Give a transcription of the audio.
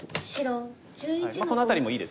この辺りもいいですね。